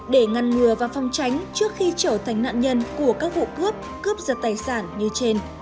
để ngăn ngừa và phong tránh trước khi trở thành nạn nhân của các vụ cướp cướp giật tài sản như trên